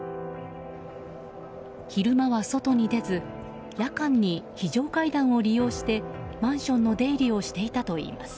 昼間は外に出ず夜間に非常階段を利用してマンションの出入りをしていたといいます。